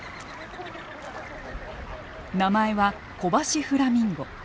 名前はコバシフラミンゴ。